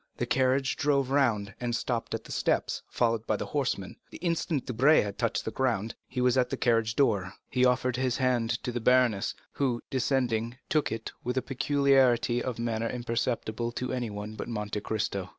The carriage drove round, and stopped at the steps, followed by the horsemen. The instant Debray had touched the ground, he was at the carriage door. He offered his hand to the baroness, who, descending, took it with a peculiarity of manner imperceptible to everyone but Monte Cristo.